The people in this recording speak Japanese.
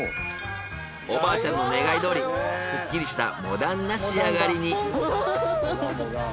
おばあちゃんの願いどおりスッキリしたモダンな仕上がりに。